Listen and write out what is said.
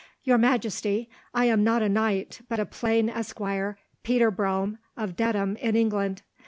"Your Majesty, I am not a knight, only a plain esquire, Peter Brome of Dedham in England.